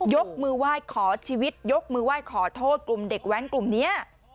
ยกมือไหว้ขอชีวิตยกมือไหว้ขอโทษกลุ่มเด็กแว้นกลุ่มนี้